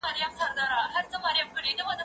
دا اوبه له هغه روښانه دي،